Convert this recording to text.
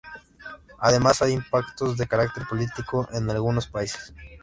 Además hay impactos de carácter político en algunos países.